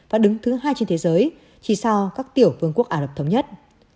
và đứng thứ hai trên thế giới chỉ sau các tiểu vương quốc ả rập thống nhất